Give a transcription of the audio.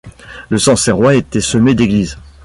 Le Sancerrois était semé d’églises.